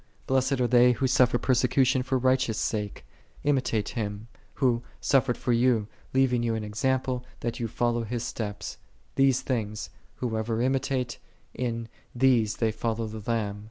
"6 " Blessed are they, who suffer persecution for righteousness sake; " imitate Him, Who " suffered for you, leaving you an example, that ye follow His steps." 7 These things, whoso imitate, in these they follow the Lamb.